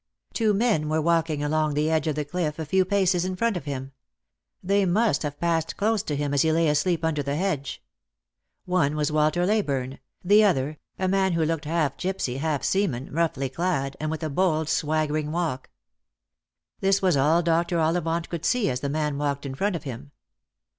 Two men were walking along the edge of the cliff, a few paces in front of him. They must have passed close to him as he lay asleep under the hedge. One was Walter Leyburne ; the other, a man who looked half gipsy, half seaman, roughly clad, and with a bold swaggering walk. This was all Dr. Ollivant could see as the man walked in front of him.